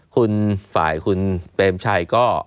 คุณฝ่ายคุณเปรมชัยก็